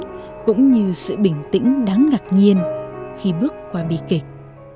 những bản lĩnh cũng như sự bình tĩnh đáng ngạc nhiên khi bước qua bì kịch